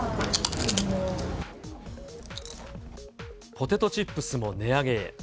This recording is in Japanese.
ポテトチップスも値上げへ。